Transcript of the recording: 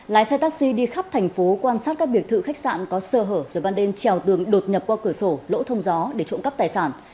lái xe taxi đi khắp thành phố quan sát các biệt thự khách sạn có sơ hở rồi ban đêm trèo tường đột nhập qua cửa sổ lỗ thông gió để trộm cắp tài sản